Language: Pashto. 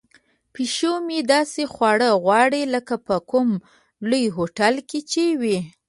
پیشو مې داسې خواړه غواړي لکه په کوم لوی هوټل کې چې وي.